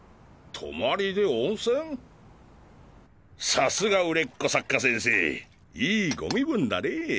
さすが売れっ子作家先生いいご身分だねえ。